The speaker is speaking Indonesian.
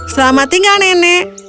selamat tinggal nenek